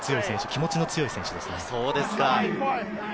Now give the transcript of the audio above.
気持ちの強い選手です。